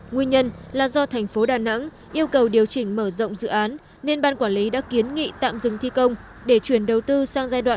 nguyên nhân là do thành phố đà nẵng yêu cầu điều chỉnh mở rộng dự án nên ban quản lý đã kiến nghị tạm dừng thi công để chuyển đầu tư sang giai đoạn hai nghìn hai mươi một hai nghìn hai mươi năm